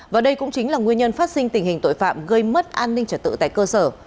và đây cũng chính là nguyên nhân phát sinh tình hình tội phạm gây mất an ninh trật tự tại cơ sở